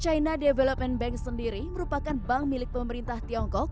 china development bank sendiri merupakan bank milik pemerintah tiongkok